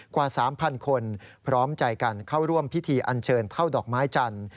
กว่า๓๐๐คนพร้อมใจกันเข้าร่วมพิธีอันเชิญเท่าดอกไม้จันทร์